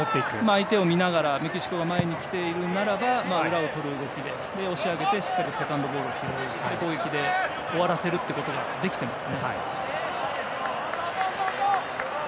相手を見ながらメキシコが前に来ているならば裏をとる動きで押し上げてしっかりセカンドボールを拾い攻撃で終わらせることができています。